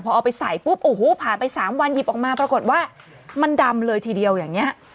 พอเอาไปใส่ปุ๊บโอ้โหผ่านไป๓วันหยิบออกมาปรากฏว่ามันดำเลยทีเดียวอย่างนี้